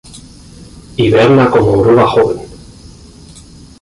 Hiberna como oruga joven.